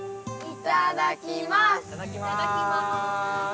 いただきます！